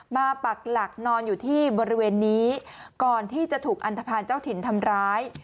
ปักหลักนอนอยู่ที่บริเวณนี้ก่อนที่จะถูกอันทภาณเจ้าถิ่นทำร้าย